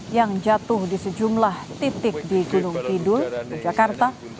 yang jatuh di sejumlah titik di gunung kidul jakarta